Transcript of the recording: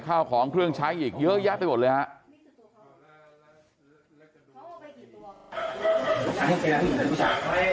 ข้าวของเครื่องใช้อีกเยอะแยะไปหมดเลยครับ